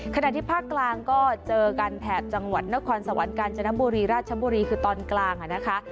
ขณะที่ภาคกลางก็เจอกันแถบจังหวัดนครสวรรค์กาญจนบุรีราชบุรีคือตอนกลางนะคะ